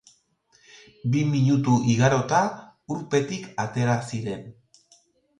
Bi minutu igarota, urpetik atera ziren.